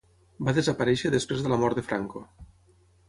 Va desaparèixer després de la mort de Franco.